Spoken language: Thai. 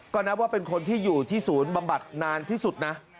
ก็นับว่าเป็นคนที่อยู่ที่ศูนย์บำบัดนานที่สุดนะ